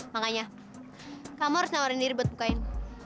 makanya kamu harus nawarin diri buat bukain